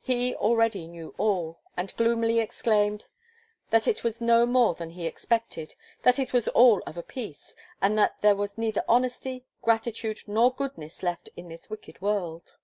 He already knew all, and gloomily exclaimed, "that it was no more than he expected; that it was all of a piece; and that there was neither honesty, gratitude, nor goodness left in this wicked world."